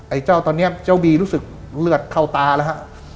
ไอ้เจ้าตอนนี้เจ้าบีรู้สึกเลือดเข้าตาแล้วฮะ